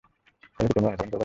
তবে কি তোমরা অনুধাবন করবে না?